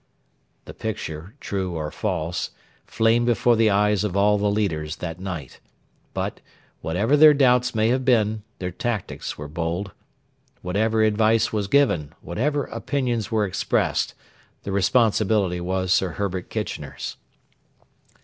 The picture true or false flamed before the eyes of all the leaders that night; but, whatever their thoughts may have been, their tactics were bold. Whatever advice was given, whatever opinions were expressed, the responsibility was Sir Herbert Kitchener's.